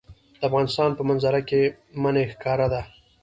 د افغانستان په منظره کې منی ښکاره ده.